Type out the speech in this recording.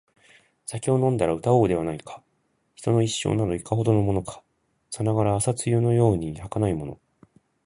酒を飲んだら歌おうではないか／人の一生など、いかほどのものか／さながら朝露のように儚いもの